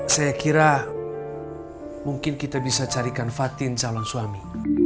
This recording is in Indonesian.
saya kira mungkin kita bisa carikan fatin calon suami